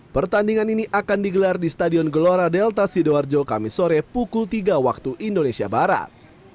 pertandingan ini akan digelar di stadion gelora delta sidoarjo kami sore pukul tiga waktu indonesia barat